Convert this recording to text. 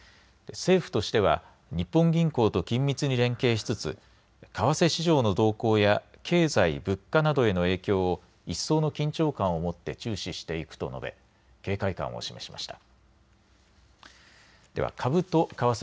政府としては日本銀行と緊密に連携しつつ為替市場の動向や経済、物価などへの影響を一層の緊張感を持って注視していくと述べ警戒感を示しました。